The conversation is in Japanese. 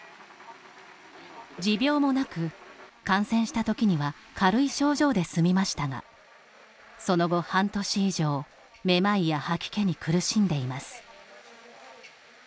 持病もなく、感染したときには軽い症状で済みましたがその後、半年以上めまいや吐き気に苦しんでいます。